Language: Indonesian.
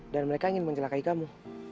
dan mereka ingin mencelakai kamu